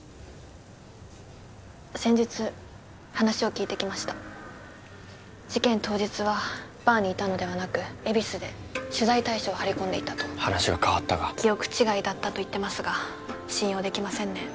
先日話を聴いてきました事件当日はバーにいたのではなく恵比寿で取材対象を張り込んでいたと話が変わったか記憶違いだったと言ってますが信用できませんね